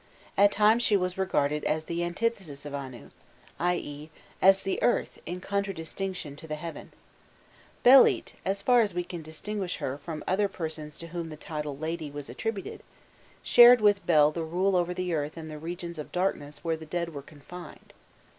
At times she was regarded as the antithesis of Anu, i.e. as the earth in contradistinction to the heaven. Belit, as far as we can distinguish her from other persons to whom the title "lady" was attributed, shared with Bel the rule over the earth and the regions of darkness where the dead were confined.